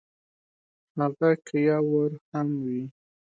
هغه که یو وار هم وي !